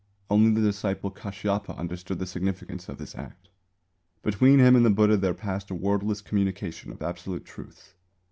Only the disciple Kāshyapa understood the significance of this act. Between him and the Buddha there passed a wordless communication of Absolute Truths.